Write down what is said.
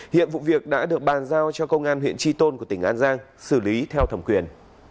hiện vụ việc đã được bàn giao cho công an huyện tri tôn của tỉnh an giang xử lý theo thẩm quyền